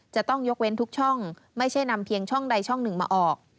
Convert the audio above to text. จะต้องยกเว้นทุกช่องไม่ใช่นำเพียงช่องใดช่องหนึ่งมาออก